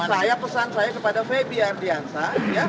saya pesan saya kepada feby ardiansa